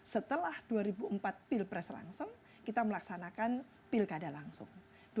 dua ribu lima setelah dua ribu empat pilpres langsung kita melaksanakan pilkada langsung dua ribu lima